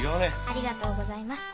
ありがとうございます。